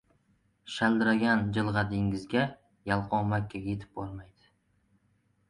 Shaldiragan jilg‘a dengizga, yalqov Makkaga yetib bormaydi.